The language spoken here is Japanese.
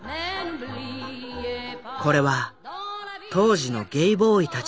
これは当時のゲイボーイたちの写真。